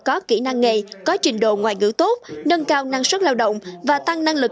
có kỹ năng nghề có trình độ ngoại ngữ tốt nâng cao năng suất lao động và tăng năng lực